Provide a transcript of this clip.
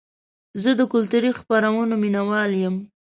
زه د کلتوري خپرونو مینهوال یم.